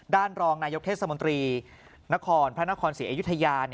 ด้านรองนายกเทศสมนตรีพระนครศรีอยุธยา